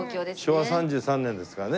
昭和３３年ですからね。